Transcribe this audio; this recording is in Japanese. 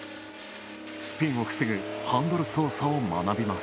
スピンを防ぐハンドル操作を学びます。